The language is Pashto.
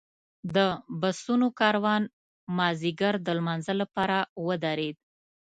د بسونو کاروان مازیګر د لمانځه لپاره ودرېد.